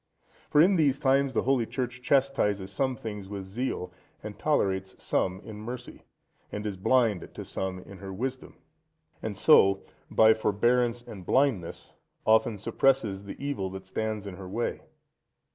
For in these times the Holy Church chastises some things with zeal, and tolerates some in mercy, and is blind to some in her wisdom, and so, by forbearance and blindness often suppresses the evil that stands in her way.